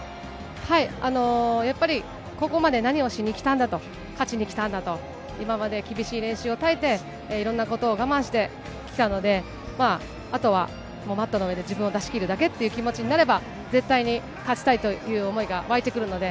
やっぱりここまで何をしに来たんだと、勝ちに来たんだと、今まで厳しい練習を耐えて、いろんなことを我慢してきたので、あとはもうマットの上で自分を出し切るだけっていう思いになれば、絶対に勝ちたいという思いが湧いてくるので、